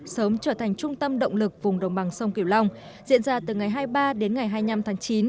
sớm trở thành trung tâm động lực vùng đồng bằng sông kiều long diễn ra từ ngày hai mươi ba đến ngày hai mươi năm tháng chín